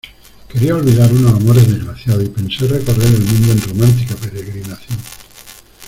quería olvidar unos amores desgraciados, y pensé recorrer el mundo en romántica peregrinación.